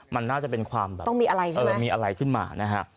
มันน่าจะเป็นความแบบต้องมีอะไรนะเออมีอะไรขึ้นมานะฮะ